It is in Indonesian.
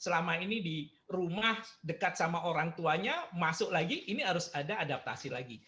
selama ini di rumah dekat sama orang tuanya masuk lagi ini harus ada adaptasi lagi